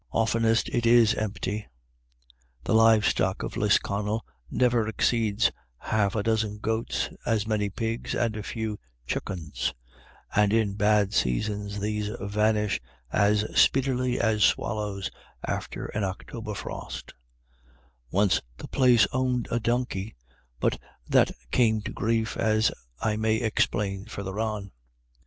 Oftenest it is empty. The live stock of Lisconnel never exceeds half a dozen goats, as many pigs, and a few " chuckens "; and in bad seasons these vanish as speedily as swallows after an October frost Once the place owned a donkey, but that came to grief, as I may explain further on.